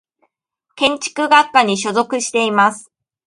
建築学科に所属しています。